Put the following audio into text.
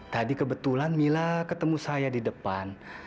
tadi kebetulan mila ketemu saya di depan